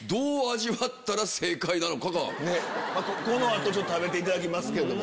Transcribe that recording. この後食べていただきますけども。